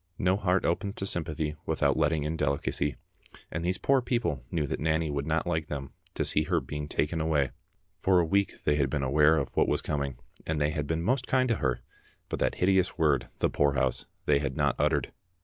No heart opens to sympathy without letting in delicacy, and these poor people knew that Nanny would not like them to see her being taken away. For a week they had been aware of what was coming, and they had been most kind to her, but that hideous word, the poorhouse, they had not uttered.